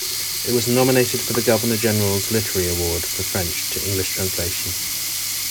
It was nominated for the Governor General's Literary Award for French to English translation.